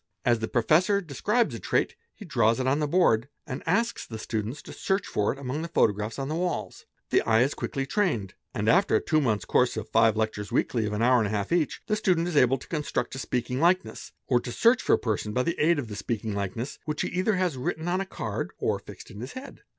As the professor describes a trait he draws it on the board, and asks the students to search for it among the photographs on the walls. The eye is quickly trained, and after a two months' course of five lectures weekly of 14 hours each, the student is able to construct a speaking likeness, or to search for a person by the aid of a speaking likeness, which he either has written on the card or fixed in his head.